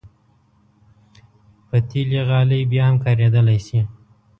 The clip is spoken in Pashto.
پتېلي غالۍ بیا هم کارېدلی شي.